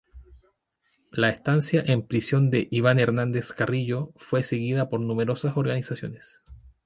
La estancia en prisión de Iván Hernández Carrillo fue seguida por numerosas organizaciones.